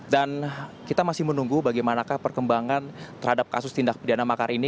dan kita masih menunggu bagaimanakah perkembangan terhadap kasus tindak pidana makar ini